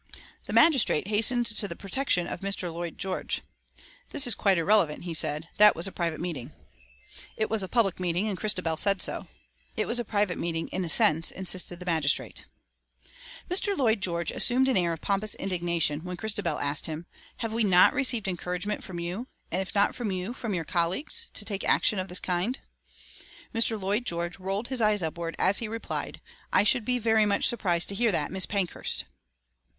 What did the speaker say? The magistrate hastened to the protection of Mr. Lloyd George. "This is quite irrelevant," he said. "That was a private meeting." It was a public meeting, and Christabel said so. "It was a private meeting in a sense," insisted the magistrate. Mr. Lloyd George assumed an air of pompous indignation when Christabel asked him, "Have we not received encouragement from you, and if not from you from your colleagues, to take action of this kind?" Mr. Lloyd George rolled his eyes upward as he replied, "I should be very much surprised to hear that, Miss Pankhurst."